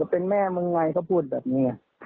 เป็นแม่มึงวัยเขาพูดแบบนี้